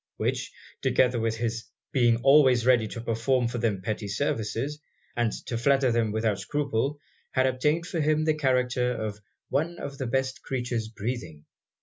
Which, together with his being always ready to perform for them petty services, and to flatter them without scruple, had obtained for him the character of 'one of the best creatures breathing.'